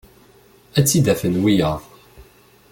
Ad tt-id-afen wiyaḍ.